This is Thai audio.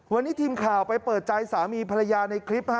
วันนี้ทีมข่าวไปเปิดใจสามีภรรยาในคลิป